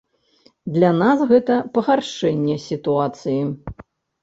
Для нас гэта пагаршэнне сітуацыі.